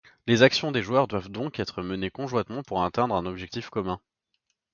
Les actions des joueurs doivent donc être menées conjointement pour atteindre un objectif commun.